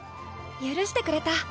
許してくれた。